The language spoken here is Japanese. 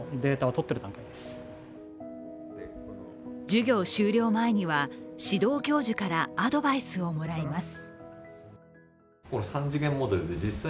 授業終了前には指導教授からアドバイスをもらいます。